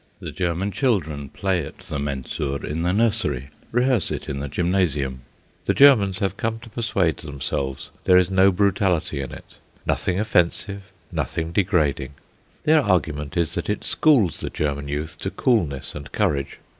The German children play at the Mensur in the nursery, rehearse it in the gymnasium. The Germans have come to persuade themselves there is no brutality in it nothing offensive, nothing degrading. Their argument is that it schools the German youth to coolness and courage.